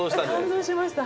感動しました。